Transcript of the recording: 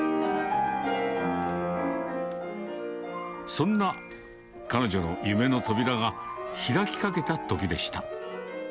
そんな彼女の夢の扉が開きかけたときでした。